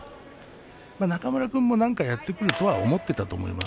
中村君も何かやってくると思っていたと思います。